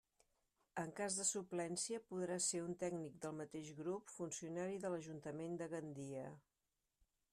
En cas de suplència, podrà ser un tècnic del mateix grup, funcionari de l'Ajuntament de Gandia.